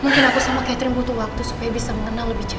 mungkin aku sama catherine butuh waktu supaya bisa mengenal lebih jauh